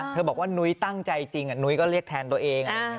บอกว่านุ้ยตั้งใจจริงนุ้ยก็เรียกแทนตัวเอง